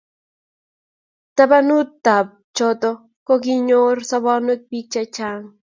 tabanutab choto ko kinyaryo sobonwekab biik che chang'